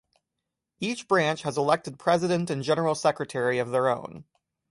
Each branch has elected president and general secretary of their own.